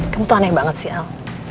kamu tuh aneh banget sih al